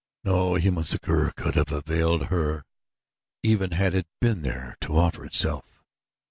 No human succor could have availed her even had it been there to offer itself.